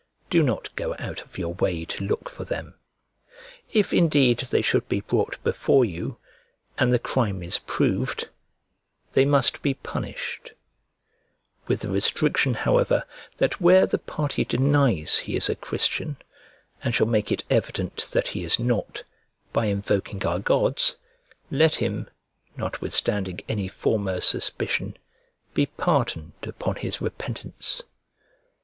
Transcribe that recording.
Do not go out of your way to look for them. If indeed they should be brought before you, and the crime is proved, they must be punished; with the restriction, however, that where the party denies he is a Christian, and shall make it evident that he is not, by invoking our gods, let him (notwithstanding any former suspicion) be pardoned upon his repentance.